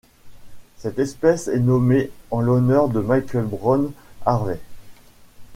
Cette espèce est nommée en l'honneur de Michael Brown Harvey.